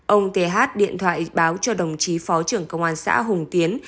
ông thế hát điện thoại báo cho đồng trí phó trưởng công an xã hùng tiến